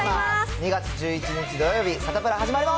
２月１１日土曜日、サタプラ、始まります。